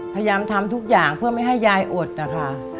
พยายามทำทุกอย่างเพื่อไม่ให้ยายอดนะคะ